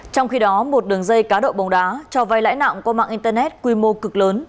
trong khi đó một đường dây cá độ bóng đá cho vai lãi nặng qua mạng internet quy mô cực lớn